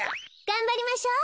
がんばりましょう。